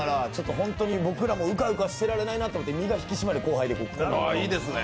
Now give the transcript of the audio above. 本当に僕らもうかうかしてられないなということで、身の引き締まる後輩です。